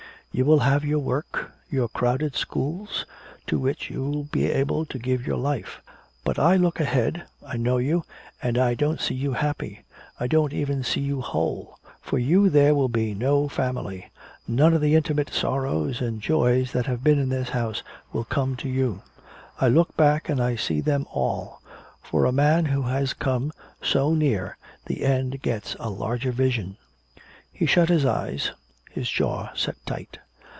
You will have your work, your crowded schools, to which you'll be able to give your life. But I look ahead, I who know you and I don't see you happy, I don't even see you whole. For you there will be no family. None of the intimate sorrows and joys that have been in this house will come to you. I look back and I see them all for a man who has come so near the end gets a larger vision." He shut his eyes, his jaw set tight.